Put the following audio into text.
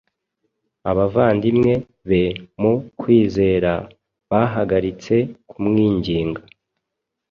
abavandimwe be mu kwizera bahagaritse kumwinginga